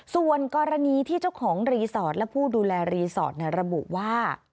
ส่วนกรณีที่เจ้าของรีสอร์ทและผู้ดูแลรีสอร์ทระบุว่า